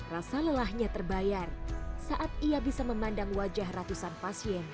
rasa lelahnya terbayar saat ia bisa memandang wajah ratusan pasien